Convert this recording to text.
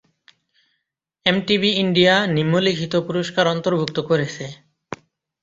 MTV India নিম্নলিখিত পুরস্কার অন্তর্ভুক্ত করেছে।